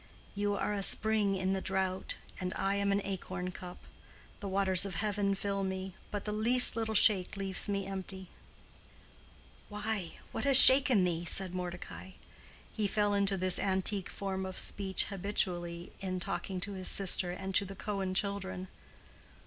You are a spring in the drought, and I am an acorn cup; the waters of heaven fill me, but the least little shake leaves me empty." "Why, what has shaken thee?" said Mordecai. He fell into this antique form of speech habitually in talking to his sister and to the Cohen children.